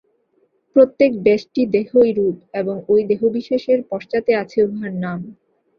প্রত্যেক ব্যষ্টিদেহই রূপ এবং ঐ দেহবিশেষের পশ্চাতে আছে উহার নাম।